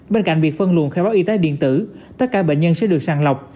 bên cạnh việc phân luồn khai báo y tế điện tử tất cả bệnh nhân sẽ được sàng lọc